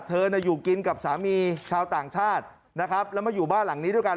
เธอน่ะอยู่กินกับสามีชาวต่างชาตินะครับแล้วมาอยู่บ้านหลังนี้ด้วยกัน